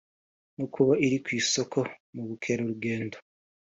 no kuba iri ku isonga mu bukererugendo